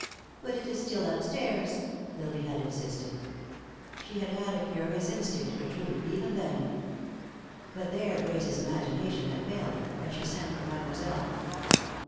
"But it is still upstairs," Lily had insisted. She had had a curious instinct for truth, even then. But there Grace's imagination had failed her, and she sent for Mademoiselle.